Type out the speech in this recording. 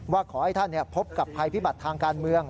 ว่าขอให้ท่านพบกับภัยพิบัติทางการเมือง